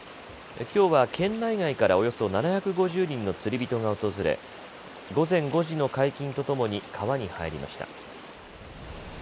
きょうは県内外からおよそ７５０人の釣り人が訪れ午前５時の解禁とともに川に入りました。